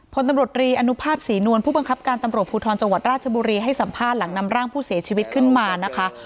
พลตำรวจรีอนุภาพศรีนวลผู้บังคับการตำรวจภูทรจังหวัดราชบุรีให้สัมภาษณ์หลังนำร่างผู้เสียชีวิตขึ้นมานะคะ